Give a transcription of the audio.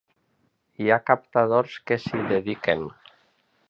Hi ha captadors que s’hi dediquen.